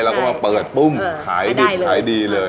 ถึงมันมาเปิดขายดิบขายดี